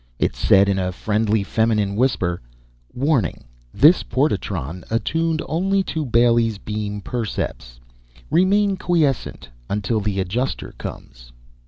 It said in a friendly, feminine whisper: _Warning, this portatron attuned only to Bailey's Beam percepts. Remain quiescent until the Adjuster comes.